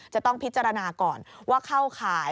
จะต้องพิจารณาก่อนว่าเข้าข่าย